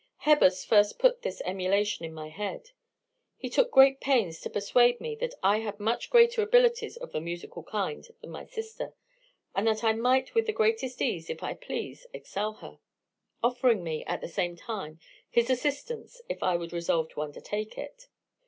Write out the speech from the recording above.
"Hebbers first put this emulation in my head. He took great pains to persuade me that I had much greater abilities of the musical kind than my sister, and that I might with the greatest ease, if I pleased, excel her; offering me, at the same time, his assistance if I would resolve to undertake it.